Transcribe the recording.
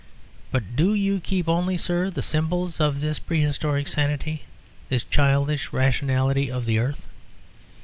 But do you keep only, sir, the symbols of this prehistoric sanity, this childish rationality of the earth?